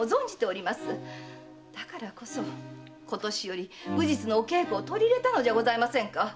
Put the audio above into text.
だからこそ今年より武術の稽古を取り入れたのではございませんか。